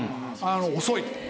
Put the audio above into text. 「遅い！」。